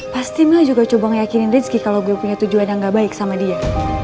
pasti mila juga coba ngeyakinin rizky kalau gue punya tujuan yang gak baik sama dia